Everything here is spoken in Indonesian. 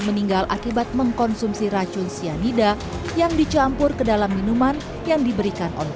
meninggal akibat mengkonsumsi racun cyanida yang dicampur ke dalam minuman yang diberikan oleh